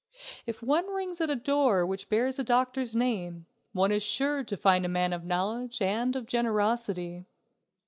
If one rings at a door which bears a doctor's name, one is sure to find a man of knowledge, and of generosity.